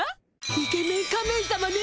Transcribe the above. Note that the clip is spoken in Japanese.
イケメン仮面さまね。